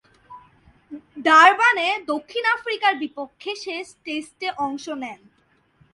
ডারবানে দক্ষিণ আফ্রিকার বিপক্ষে শেষ টেস্টে অংশ নেন।